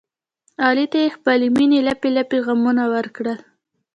علي ته یې خپلې مینې لپې لپې غمونه ورکړل.